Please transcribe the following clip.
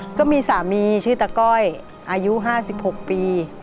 ก็มีสามีชื่อตะก้อยอายุห้าสิบหกปี